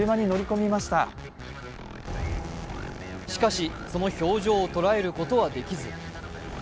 しかしその表情を捉えることはできず。